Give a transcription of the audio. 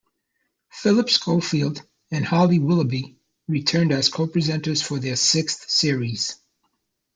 Phillip Schofield and Holly Willoughby returned as co-presenters for their sixth series.